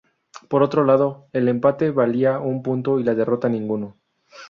Por otro lado, el empate valía un punto y la derrota, ninguno.